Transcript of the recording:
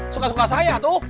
suka suka saya tuh